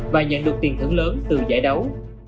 và nhận được tiền thưởng lớn từ giải đấu